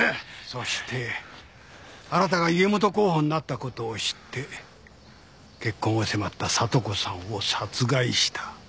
そしてあなたが家元候補になったことを知って結婚を迫った聡子さんを殺害した。